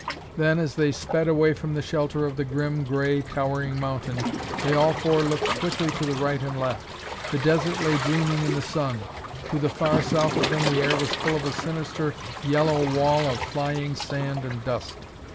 Then, as they sped away from the shelter of the grim, gray towering mountain, they all four looked quickly to the right and left. The desert lay dreaming in the sun. To the far south of them the air was full of a sinister yellow wall of flying sand and dust.